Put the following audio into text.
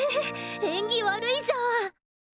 縁起悪いじゃん！